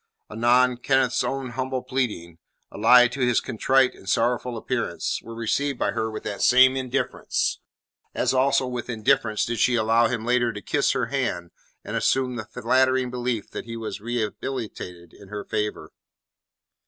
Anon Kenneth's own humble pleading, allied to his contrite and sorrowful appearance, were received by her with that same indifference, as also with indifference did she allow him later to kiss her hand and assume the flattering belief that he was rehabilitated in her favour.